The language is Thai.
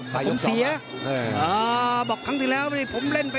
พี่น้องอ่ะพี่น้องอ่ะพี่น้องอ่ะ